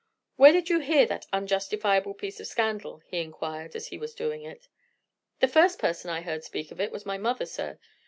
"Where did you hear that unjustifiable piece of scandal?" he inquired, as he was doing it. "The first person I heard speak of it was my mother, sir.